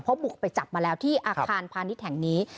เพราะบุกไปจับมาแล้วที่อาคารพาณิชย์แห่งนี้